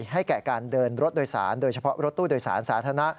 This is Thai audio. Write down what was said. ให้แก่การเดินรถโดยสารโดยเฉพาะรถตู้โดยสารสาธารณะ